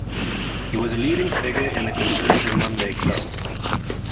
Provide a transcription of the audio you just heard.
He was a leading figure in the Conservative Monday Club.